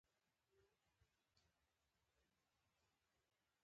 دا په کور، ښوونځي، کار او تیلیفون کې کیږي.